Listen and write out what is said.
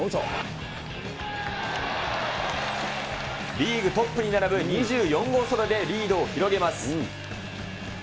リーグトップに並ぶ２４号ソロでリードを広げます。